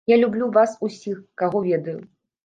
Я люблю вас усіх, каго ведаю.